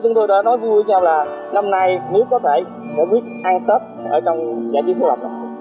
chúng tôi đã nói vui với nhau là năm nay nếu có thể sẽ biết ăn tết ở trong giải trí cô lập